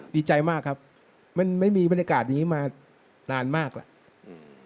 ดีใจมากครับมันไม่มีบรรยากาศนี้มานานมากแล้วอืม